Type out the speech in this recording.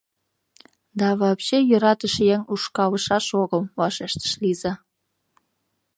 Да, вообще, йӧратыше еҥ ушкалышаш огыл, — вашештыш Лиза.